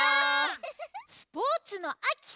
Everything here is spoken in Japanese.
スポーツのあき！